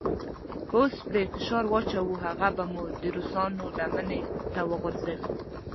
که اوس پرې فشار واچوو هغه به مو د روسانو لمنې ته وغورځوي.